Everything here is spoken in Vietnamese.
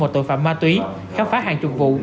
và tội phạm ma túy khám phá hàng chục vụ